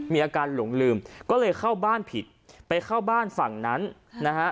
หลงลืมก็เลยเข้าบ้านผิดไปเข้าบ้านฝั่งนั้นนะฮะ